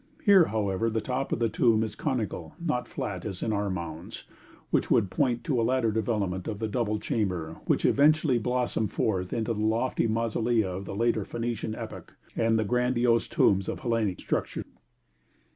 Here, however, the top of the tomb is conical, not flat, as in our mounds, which would point to a later development of the double chamber which eventually blossomed forth into the lofty mausolea of the later Phoenician epoch, and the grandiose tombs of Hellenic structure.